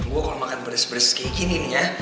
gue kalo makan pedes pedes kayak gini nih ya